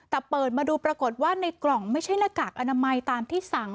แต่เปิดมาดูปรากฏว่าในกล่องไม่ใช่หน้ากากอนามัยตามที่สั่ง